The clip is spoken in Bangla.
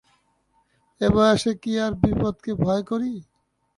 এ বয়সে কি আর বিপদকে ভয় করি।